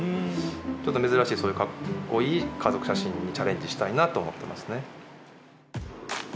ちょっと珍しいかっこいい家族写真にチャレンジしたいなと思ってますね。